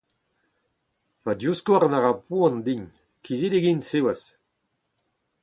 Ma divskouarn a ra poan din. Kizidik int, siwazh.